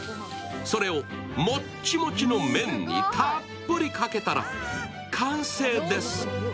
それをもっちもちの麺にたっぷりかけたら、完成です。